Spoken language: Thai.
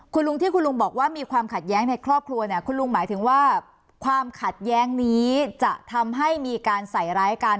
คุณลุงที่คุณลุงบอกว่ามีความขัดแย้งในครอบครัวเนี่ยคุณลุงหมายถึงว่าความขัดแย้งนี้จะทำให้มีการใส่ร้ายกัน